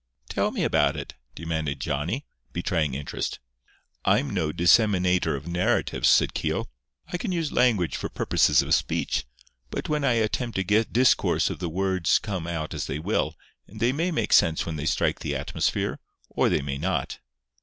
"Tell me about it," demanded Johnny, betraying interest. "I'm no disseminator of narratives," said Keogh. "I can use language for purposes of speech; but when I attempt a discourse the words come out as they will, and they may make sense when they strike the atmosphere, or they may not."